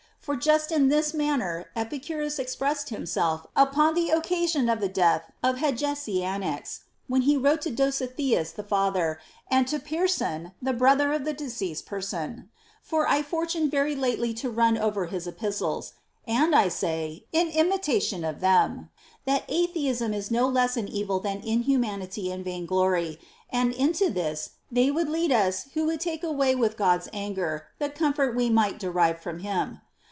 For just in this manner Epicurus expressed himself upon the occasion of the death of Hegesianax, when he wrote to Dositheus the father and to Pyrson the brother of the deceased person ; for I fortuned very lately to run over his epistles. And I say, in imitation of them, that atheism is no less an evil than inhumanity and vain glory, and into this they would lead us who take away with God's anger the comfort we might derive from him.